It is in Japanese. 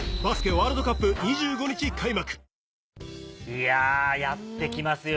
いややってきますよ